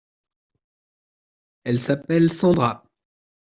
Elle s’appelle Sandra.